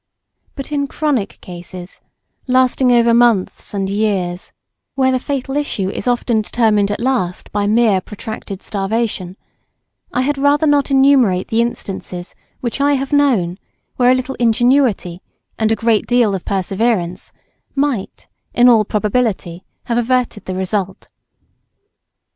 ] But in chronic cases, lasting over months and years, where the fatal issue is often determined at last by mere protracted starvation, I had rather not enumerate the instances which I have known where a little ingenuity, and a great deal of perseverance, might, in all probability, have averted the result.